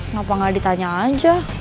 ngapain gak ditanya aja